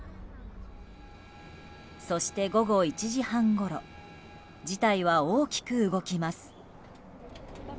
そして午後１時半ごろ事態は大きく動きます。